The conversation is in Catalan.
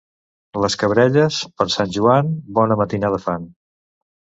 Les cabrelles, per Sant Joan, bona matinada fan.